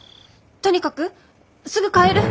とにかくすぐ帰る。